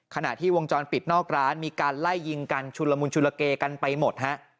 ขณะที่วงจรปิดนอกร้านมีการไล่ยิงกันชุนละมุนชุลเกกันไปหมดฮะ